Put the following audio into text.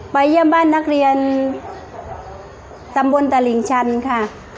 เยี่ยมบ้านนักเรียนตำบลตลิ่งชันค่ะ